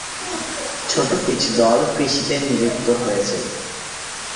ছোট কিছু দল কৃষিতে নিযুক্ত হয়েছে।